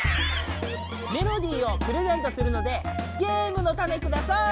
メロディーをプレゼントするのでゲームのタネください。